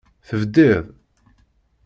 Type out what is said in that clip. Tebdiḍ.